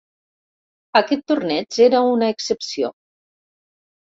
Aquest torneig era una excepció.